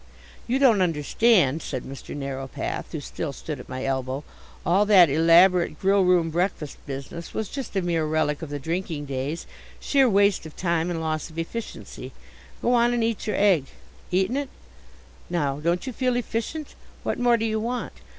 "You don't understand," said Mr Narrowpath, who still stood at my elbow. "All that elaborate grill room breakfast business was just a mere relic of the drinking days sheer waste of time and loss of efficiency. Go on and eat your egg. Eaten it? Now, don't you feel efficient? What more do you want?